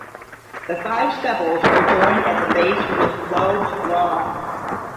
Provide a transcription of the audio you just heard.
The five sepals are joined at the base with lobes long.